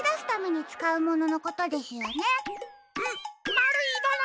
まるいもの！